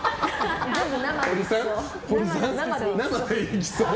全部生でいきそう。